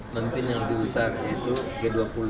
mungkin yang lebih besar yaitu g dua puluh